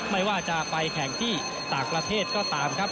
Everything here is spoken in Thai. ไม่ว่าจะไปแข่งที่ต่างประเทศก็ตามครับ